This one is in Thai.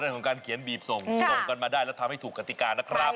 เรื่องของการเขียนบีบส่งส่งกันมาได้แล้วทำให้ถูกกติกานะครับ